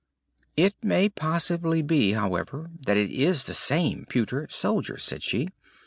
"It may possibly be, however, that it is the same pewter soldier!" said she.